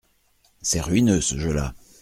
C’est ruineux, ce jeu-là.